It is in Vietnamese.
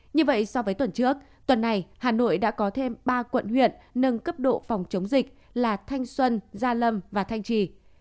như vậy so với tuần trước tuần này hà nội đã có thêm ba quận huyện nâng cấp độ phòng chống dịch là thanh xuân gia lâm và thanh trì